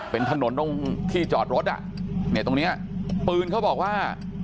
เป็นถนนตรงที่จอดรถตรงนี้ปืนเขาบอกว่า